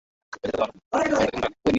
বিপ্রদাস একটু উঠে বসল।